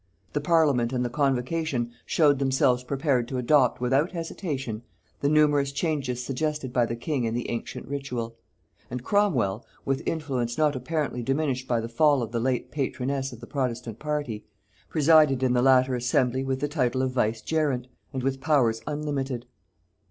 The parliament and the convocation showed themselves prepared to adopt, without hesitation, the numerous changes suggested by the king in the ancient ritual; and Cromwel, with influence not apparently diminished by the fall of the late patroness of the protestant party, presided in the latter assembly with the title of vicegerent, and with powers unlimited.